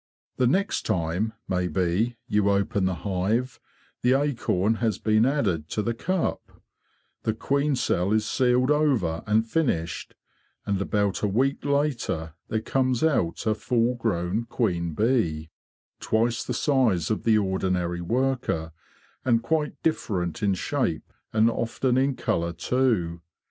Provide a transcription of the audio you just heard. The next time, maybe, you open the hive, the acorn has been added to the cup; the queen cell is sealed over and finished, and about a week later there comes out a full grown queen bee, twice the size of the ordinary worker and quite different in shape and often in colour too.